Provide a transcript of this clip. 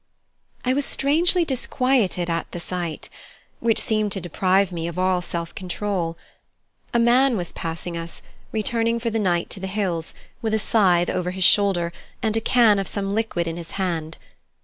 I was strangely disquieted at the sight, which seemed to deprive me of all self control. A man was passing us, returning for the night to the hills, with a scythe over his shoulder and a can of some liquid in his hand.